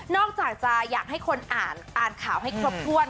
อกจากจะอยากให้คนอ่านข่าวให้ครบถ้วน